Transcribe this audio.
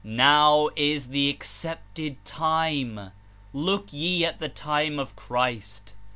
Now is the accepted time ! Look ye at the time of Christ.